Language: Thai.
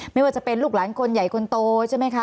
ไม่ว่าจะเป็นลูกหลานคนใหญ่คนโตใช่ไหมคะ